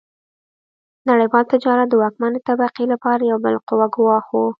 نړیوال تجارت د واکمنې طبقې لپاره یو بالقوه ګواښ و.